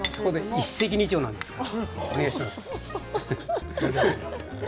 一石二鳥なんですから。